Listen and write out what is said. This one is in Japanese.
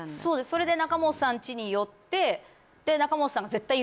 それで仲本さんちに寄ってでで